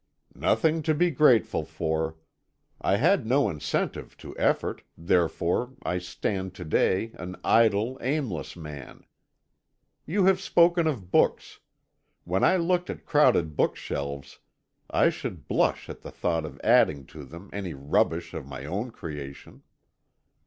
"Nothing to be grateful for. I had no incentive to effort, therefore I stand to day an idle, aimless man. You have spoken of books. When I looked at crowded bookshelves, I should blush at the thought of adding to them any rubbish of my own creation."